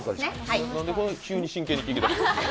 何で急に真剣に聞き出したの？